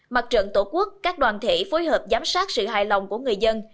mặt trận tổ quốc các đoàn thể phối hợp giám sát sự hài lòng của người dân